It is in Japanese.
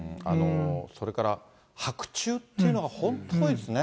それから、白昼っていうのが本当に怖いですね。